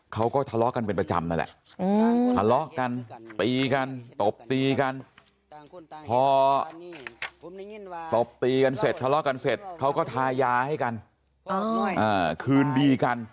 เขาก็ทะเลาะกันเป็นประจำนั่นแหละทะเลาะกันตีกันตบตีกันพอตบตีกันเสร็จทะเลาะกันเสร็จเขาก็ทายาให้กันคืนดีกัน